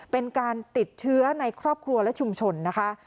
เป็นการติดเชื้อในครอบครัวและชุมชนนะคะ